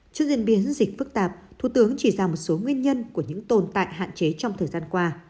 trước diễn biến dịch phức tạp thủ tướng chỉ ra một số nguyên nhân của những tồn tại hạn chế trong thời gian qua